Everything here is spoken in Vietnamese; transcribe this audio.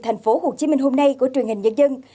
thành phố hồ chí minh hôm nay của truyền hình nhân dân